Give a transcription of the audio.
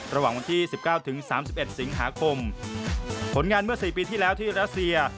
ระหว่างวันที่สิบเก้าถึงสามสิบเอ็ดสิงหาคมผลงานเมื่อสี่ปีที่แล้วที่รัสเซีย